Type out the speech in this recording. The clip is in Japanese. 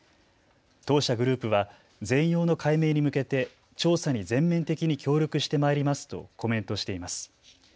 当社グループは全容の解明に向けて調査に全面的に協力してまいりますとコメントしています。